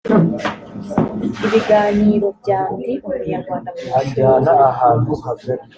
ibiganiro bya ndi umunyarwanda mu mashuri